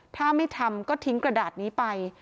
ถ้าไม่ทำก็ทิ้งกระดาษนี้ไป